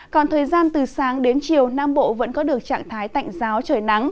còn thời gian từ sáng đến chiều nam bộ vẫn có được trạng thái tạnh giáo trời nắng